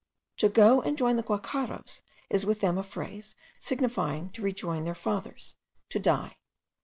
'To go and join the guacharos,' is with them a phrase signifying to rejoin their fathers, to die.